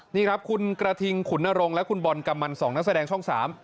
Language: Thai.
นี่ครับคุณกระทิงขุนนรงค์และคุณบอลกำมัน๒นักแสดงช่อง๓